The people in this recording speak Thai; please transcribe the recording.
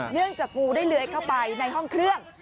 เนื่องจากงูได้เลื้อยเข้าไปในห้องเครื่อง